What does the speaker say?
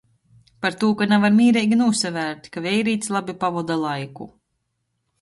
Partū, ka navar mīreigi nūsavērt, ka veirīts labi pavoda laiku...